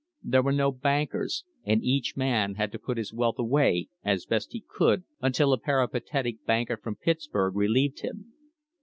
There were no bankers, and each man had to put his wealth away as best he could until a peripatetic banker from Pittsburg relieved him.